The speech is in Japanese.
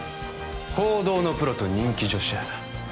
報道のプロと人気女子アナ